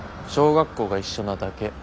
小学校が一緒なだけ。